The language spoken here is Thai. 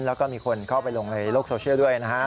แล้วก็มีคนเข้าไปลงในโลกโซเชียลด้วยนะฮะ